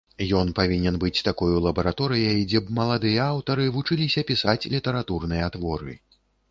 Ён павінен быць такою лабараторыяй, дзе б маладыя аўтары вучыліся пісаць літаратурныя творы.